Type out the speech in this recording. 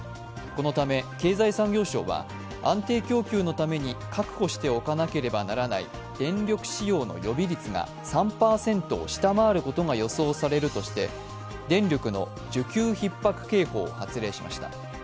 このため経済産業省は安定供給のために確保しておかなければならない電力使用の予備率が３％を下回ることが予想されるとして電力の需給ひっ迫警報を発令しました。